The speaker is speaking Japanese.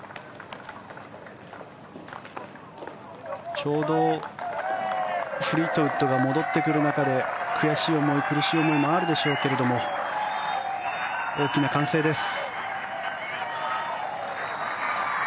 ちょうどフリートウッドが戻ってくる中で悔しい思い苦しい思いもあるでしょうけど大きな歓声です。